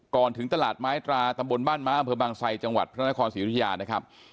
ก่อนถึงตลาดไม้ตราตำบลบ้านม้าเผือบางไสจังหวัดพระนครศิริยานะครับ